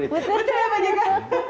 betul ya bapak jika